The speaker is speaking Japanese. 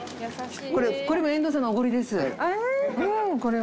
これも遠藤さんのおごりです。